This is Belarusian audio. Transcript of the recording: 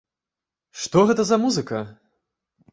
Што гэта за музыка?